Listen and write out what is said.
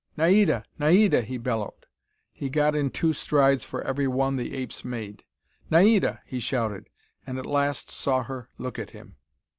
"Naida! Naida!" he bellowed. He got in two strides for every one the apes made. "Naida!" he shouted, and at last saw her look at him.